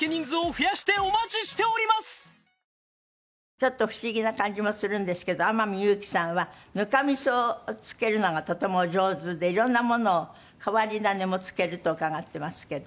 ちょっと不思議な感じもするんですけど天海祐希さんはぬかみそを漬けるのがとてもお上手で色んなものを変わり種も漬けると伺ってますけど。